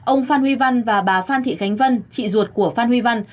ông phan huy văn và bà phan thị khánh vân chị ruột của phan huy văn